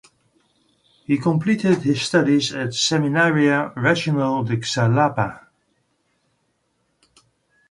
He completed his studies at Seminario Regional de Xalapa.